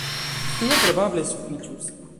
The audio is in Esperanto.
Tio probable sufiĉus.